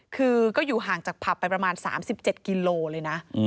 คือก็อยู่ห่างจากผับไปประมาณ๓๗กิโลเลยนะ